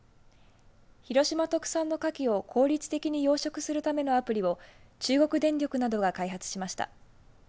広島特産のかきを効率的に養殖するためのアプリを中国電力などが開発しました。